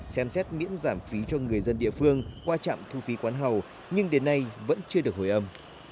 xem xét miễn giảm phí cho người dân địa phương qua trạm thu phí quán hầu nhưng đến nay vẫn chưa được hồi âm